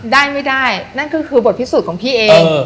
ได้ไม่ได้นั่นก็คือบทพิสูจน์ของพี่เอง